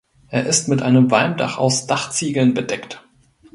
Er ist mit einem Walmdach aus Dachziegeln bedeckt.